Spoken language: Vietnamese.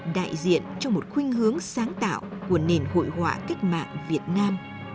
đại diện cho một khuyên hướng sáng tạo của nền hội họa cách mạng việt nam